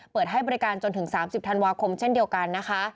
เปิดให้บริการจนถึง๓๐ธันวาคมเช่นเดียวกันนะคะ